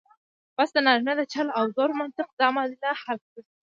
بس د نارینه د چل او زور منطق دا معادله حل کړه.